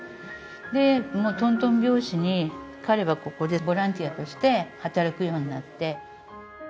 でとんとん拍子に彼はここでボランティアとして働くようになって。